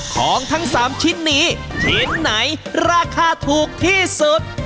ของทั้ง๓ชิ้นนี้ชิ้นไหนราคาถูกที่สุด